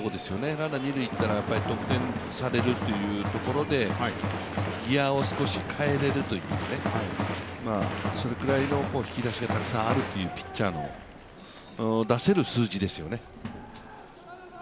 ランナー二塁から得点されるというところでギヤを少し変えられるという、それくらいの引き出しはたくさんあるというピッチャーの出せる数字ですよね。